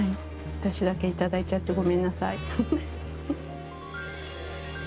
私だけいただいちゃってごめんなさい。